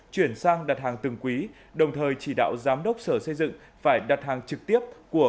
chuyển sang đặt hàng từng quý đồng thời chỉ đạo giám đốc sở xây dựng phải đặt hàng trực tiếp của